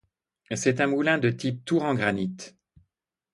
C'est un moulin de type tour en granit.